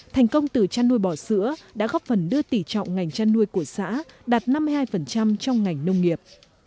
thành công từ chăn nuôi bò sữa đã góp phần đưa tỉ trọng ngành chăn nuôi của xã đạt năm mươi hai trong ngành nông nghiệp